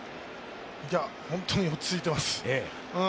本当に落ち着いてます。